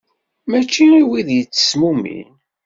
Mačči i wid yettesmumin.